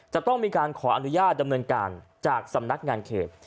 จะต้องมีการขออนุญาตดำเนินการจากสำนักงานเขต